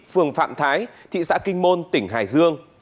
phường phạm thái thị xã kinh môn tỉnh hải dương